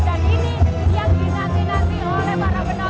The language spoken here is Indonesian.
dan ini yang dinasih dinasi oleh para penonton